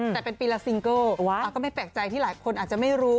แต่เป็นปีละซิงเกิลก็ไม่แปลกใจที่หลายคนอาจจะไม่รู้